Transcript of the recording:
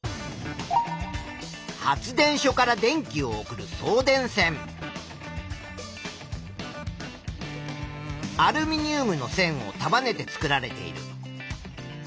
発電所から電気を送るアルミニウムの線を束ねて作られている。